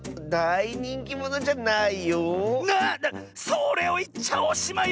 それをいっちゃおしまいよ！